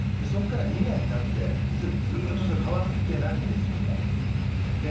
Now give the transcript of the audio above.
そこから２年経って、ずっとそれが変わっていないんですよね。